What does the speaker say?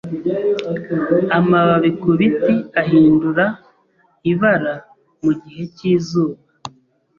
Amababi ku biti ahindura ibara mu gihe cyizuba.